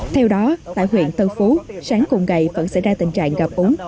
theo đó tại huyện tân phú sáng cùng ngày vẫn xảy ra tình trạng gặp úng